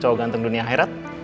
cowok ganteng dunia hairat